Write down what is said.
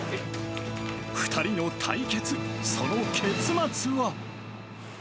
２人の対決、その結末は？